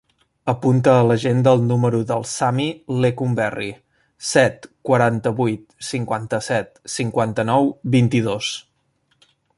Apunta a l'agenda el número del Sami Lecumberri: set, quaranta-vuit, cinquanta-set, cinquanta-nou, vint-i-dos.